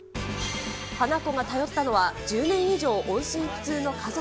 花子が頼ったのは１０年以上音信不通の家族。